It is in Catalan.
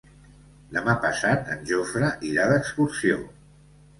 Demà passat en Jofre irà d'excursió.